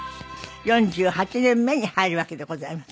４８年目に入るわけでございます。